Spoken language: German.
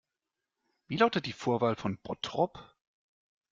Wie lautet die Vorwahl von Bottrop?